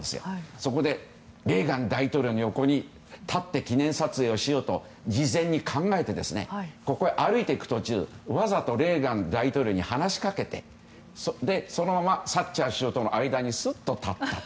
そこでレーガン大統領の横に立って記念撮影をしようと事前に考えてここに歩いていく途中わざとレーガン大統領に話しかけそのままサッチャー首相との間にすっと立ったと。